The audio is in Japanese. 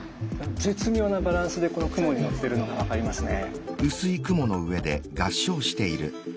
絶妙なバランスでこの雲に乗ってるのが分かりますね。